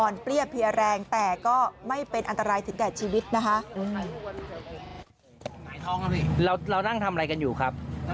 อ่อนเปรี้ยวเพียร์แรงแต่ก็ไม่เป็นอันตรายถึงกับชีวิตนะคะ